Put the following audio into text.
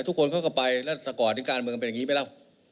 ทุกคนเขาก็ไปแล้วสะกอดทิ้งกาลเมืองเป็นอย่างนี้ไม่แล้ว